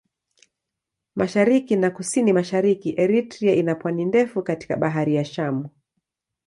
Mashariki na Kusini-Mashariki Eritrea ina pwani ndefu katika Bahari ya Shamu.